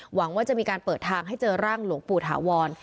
หวังว่าจะมีการเปิดทางให้เจอร่างหลวงปู่ถาวร